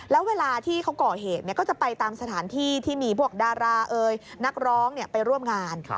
แล้วเวลาที่เขาก่อเหตุก็จะไปตามสถานที่ที่มีพวกดารานักร้องไปร่วมงาน